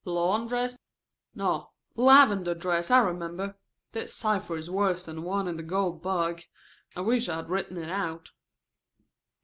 Lawn dress? No, lavender dress, I remember. This cipher is worse than the one in the 'Gold Bug.' I wish I had written it out."